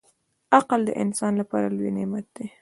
• عقل د انسان لپاره لوی نعمت دی.